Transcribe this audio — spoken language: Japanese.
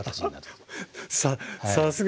さすが。